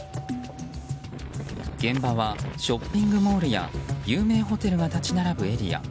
現場はショッピングモールや有名ホテルが立ち並ぶエリア。